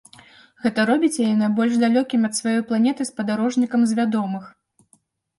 Гэта робіць яе найбольш далёкім ад сваёй планеты спадарожнікам з вядомых.